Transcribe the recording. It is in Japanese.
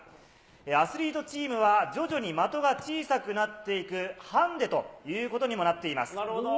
アスリートチームは徐々に的が小さくなっていくハンデということなるほど。